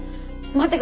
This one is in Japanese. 待って！